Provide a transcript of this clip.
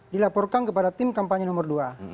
dilaporkan kepada tim kampanye nomor dua